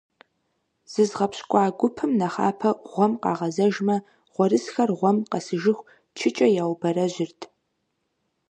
ЗызгъэпщкӀуа гупым нэхъапэ гъуэм къагъэзэжмэ, гъуэрысхэр гъуэм къэсыжыху чыкӀэ яубэрэжьырт.